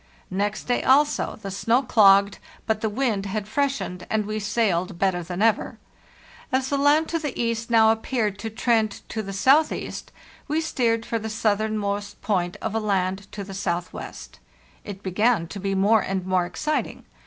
Next day, also, the snow clogged, but the wind had fresh ened, and we sailed better than ever. As the land to the east* now appeared to trend to the southeast, we steered for the southernmost point of a land to the southwest.t It began to be more and more exciting.